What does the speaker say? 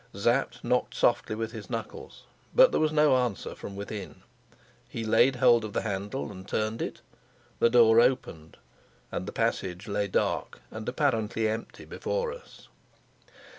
Sapt knocked softly with his knuckles, but there was no answer from within. He laid hold of the handle and turned it; the door opened, and the passage lay dark and apparently empty before us.